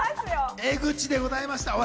エグちでございました。